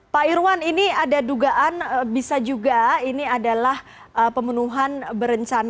pak irwan ini ada dugaan bisa juga ini adalah pembunuhan berencana